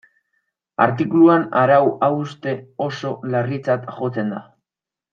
Artikuluan arau hauste oso larritzat jotzen da.